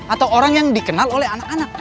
atau orang yang dikenal oleh anak anak